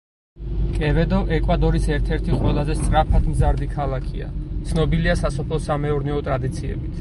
კევედო ეკვადორის ერთ-ერთი ყველაზე სწრაფად მზარდი ქალაქია; ცნობილია სასოფლო-სამეურნეო ტრადიციებით.